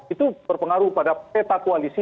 itu berpengaruh pada peta koalisi